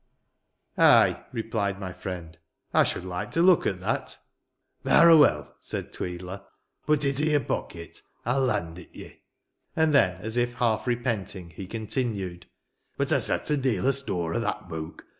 " Ay," replied my friend; " I should like to look at that." " Varra well," said " Tweedler ;"" put it i' your pocket. I'll land it ye." And then, as if half repenting, he continued, " But I set a deal o' store o' that book.